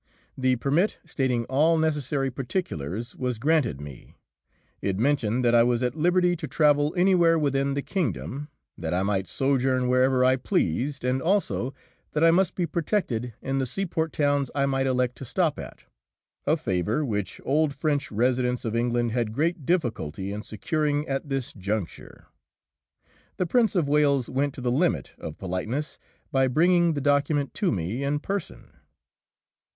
The permit, stating all necessary particulars, was granted me. It mentioned that I was at liberty to travel anywhere within the kingdom, that I might sojourn wherever I pleased, and also that I must be protected in the seaport towns I might elect to stop at a favour which old French residents of England had great difficulty in securing at this juncture. The Prince of Wales went to the limit of politeness by bringing the document to me in person.